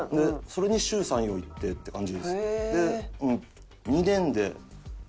それに週３４行ってっていう感じです。